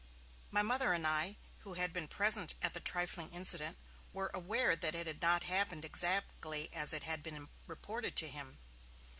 My Mother and I, who had been present at the trifling incident, were aware that it had not happened exactly as it had been reported to him.